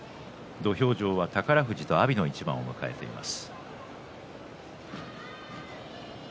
土俵上は宝富士と阿炎の一番を迎えています。